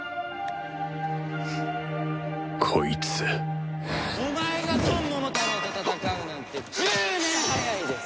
こいつお前がドンモモタロウと戦うなんて１０年早いです！